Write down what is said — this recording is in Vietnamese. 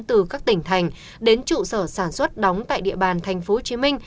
từ các tỉnh thành đến trụ sở sản xuất đóng tại địa bàn tp hcm